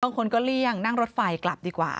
บางคนก็เลี่ยงนั่งรถไฟกลับดีกว่า